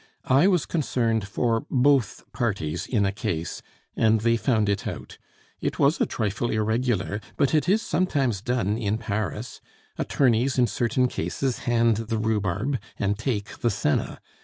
I was concerned for both parties in a case, and they found it out. It was a trifle irregular; but it is sometimes done in Paris, attorneys in certain cases hand the rhubarb and take the senna.